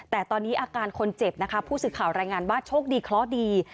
แต่ตอนนี้อาการคนเจ็บนะคะผู้สื่อข่าวรายงานว่าโชคดีเคราะห์ดี